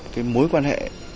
cái mối quan hệ